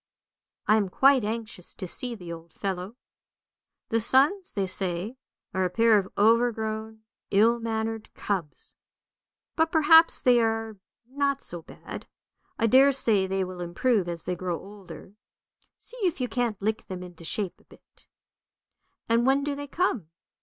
I am quite anxious to see the old fellow. The sons, they say, are a pair of overgrown, ill mannered cubs; but perhaps they are not so bad; I daresay they will improve as they grow older. See if you can't lick them into shape a bit." " And when do they come?